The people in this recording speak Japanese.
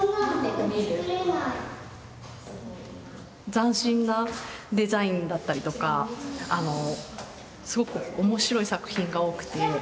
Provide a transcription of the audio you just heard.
斬新なデザインだったりとかすごく面白い作品が多くて。